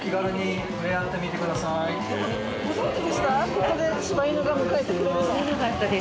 ここで柴犬が迎えてくれるの。